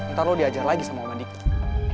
ntar lu diajar lagi sama waman ikan